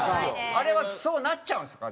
あれはそうなっちゃうんですか？